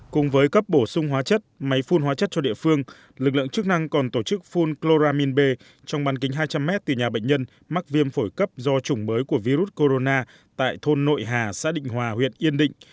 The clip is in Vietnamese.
cùng với cấp bổ sung hóa chất máy phun hóa chất cho địa phương lực lượng chức năng còn tổ chức phun chloramin b trong bàn kính hai trăm linh m từ nhà bệnh nhân mắc viêm phổi cấp do chủng mới của virus corona tại thôn nội hà xã định hòa huyện yên định